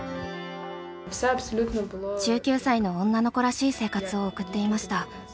１９歳の女の子らしい生活を送っていました。